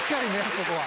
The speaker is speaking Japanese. そこは。